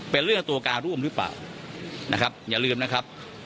เป็นเรื่องตัวการร่วมหรือเปล่านะครับอย่าลืมนะครับ